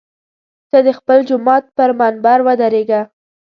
ته د خپل جومات پر منبر ودرېږه.